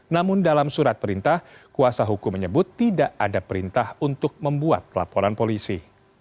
namun dalam surat perintah kuasa hukum menyebut tidak ada perintah untuk membuat laporan polisi